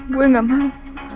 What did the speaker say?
gue gak mau